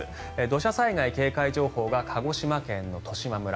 土砂災害警戒情報が鹿児島県の十島村。